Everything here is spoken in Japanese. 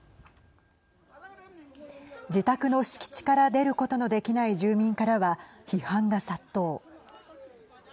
自宅の敷地から出ることのできない住民からは批判が殺到。